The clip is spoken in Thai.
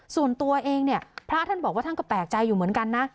ส่วนตัวเองเนี่ยพระท่านบอกว่าท่านก็แปลกใจอยู่เหมือนกันนะ